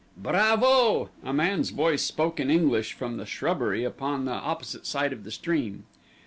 "Bravo!" A man's voice spoke in English from the shrubbery upon the opposite side of the stream.